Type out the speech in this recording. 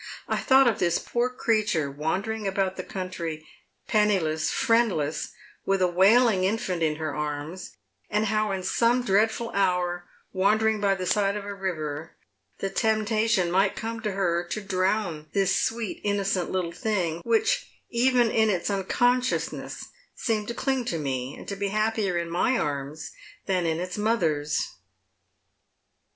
I thought of this poor creature wandering about the country penniless, friendless, with a wailing infant in her arms, and how in some dreadful hour wandering by the side of a river, the temptation might come to her to drown this sweet, innocent little thing, which, even in its unconsciousness, seemed to cling to me, and to be happier in my arms than in its mother's.